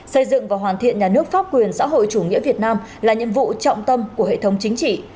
xây dựng và hoàn thiện nhà nước pháp quyền xã hội chủ nghĩa việt nam là nhiệm vụ trọng tâm của hệ thống chính trị